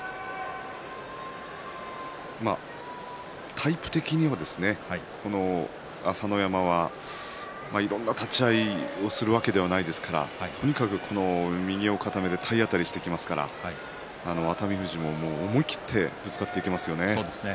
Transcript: タイプ的にはこの朝乃山はいろんな立ち合いをするわけではないですからとにかく右を固めて体当たりしてきますから熱海富士も思い切ってぶつかっていきますよね。